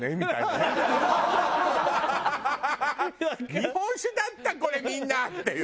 「日本酒だったこれみんな！」っていう。